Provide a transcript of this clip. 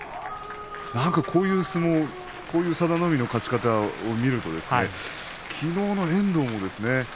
こういう相撲、こういう佐田の海の勝ち方を見ますときのうの遠藤もですね